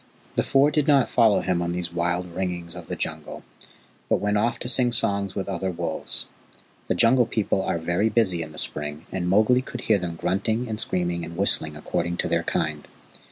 The Four did not follow him on these wild ringings of the Jungle, but went off to sing songs with other wolves. The Jungle People are very busy in the spring, and Mowgli could hear them grunting and screaming and whistling according to their kind.